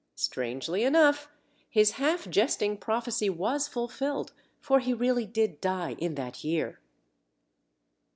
Strangely enough, his half jesting prophecy was fulfilled, for he really did die in that year.